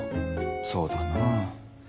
そうだな。